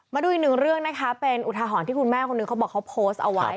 มาดูอีกหนึ่งเรื่องนะคะเป็นอุทาหรณ์ที่คุณแม่คนหนึ่งเขาบอกเขาโพสต์เอาไว้